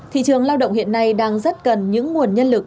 thị trường lao động hiện nay đang rất cần những nguồn nhân lực